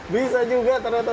bisa juga ternyata memotong